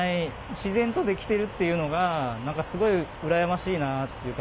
自然とできてるっていうのが何かすごい羨ましいなっていうか